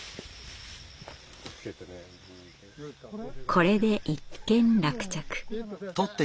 これで一件落着。